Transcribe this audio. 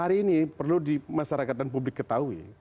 hari ini perlu di masyarakat dan publik ketahui